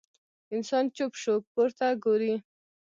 انسان چوپ شو، پورته ګوري.